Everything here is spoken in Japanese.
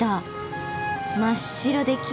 真っ白できれい。